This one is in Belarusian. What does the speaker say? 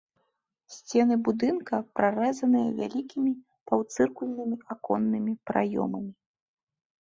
Сцены будынка прарэзаныя вялікімі паўцыркульнымі аконнымі праёмамі.